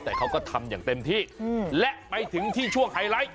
แต่เขาก็ทำอย่างเต็มที่และไปถึงที่ช่วงไฮไลท์